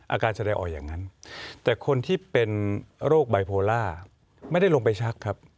แสดงออกอย่างนั้นแต่คนที่เป็นโรคไบโพล่าไม่ได้ลงไปชักครับ